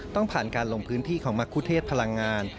ต้องผ่านการลงพื้นที่ของมะคุเทศพลังงาน